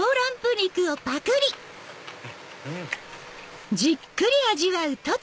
うん！